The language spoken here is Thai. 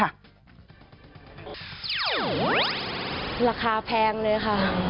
ราคาแพงเลยค่ะ